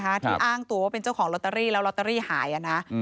ที่อ้างตัวว่าเป็นเจ้าของลอตเตอรี่แล้วลอตเตอรี่หายอ่ะนะ